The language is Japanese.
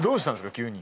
急に。